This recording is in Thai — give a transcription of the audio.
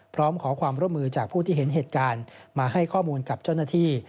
พร้อมขอความร่วมมือจากผู้ที่เห็นเหตุการณ์มาให้ข้อมูลกับเจ้าหน้าที่